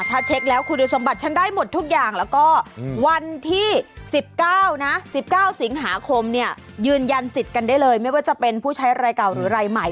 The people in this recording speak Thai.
ถ้าเช็คแล้วคุณสมบัติฉันได้หมดทุกอย่างแล้วก็วันที่๑๙นะ๑๙สิงหาคมเนี่ยยืนยันสิทธิ์กันได้เลยไม่ว่าจะเป็นผู้ใช้รายเก่าหรือรายใหม่